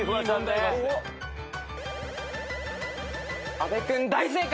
阿部君大正解。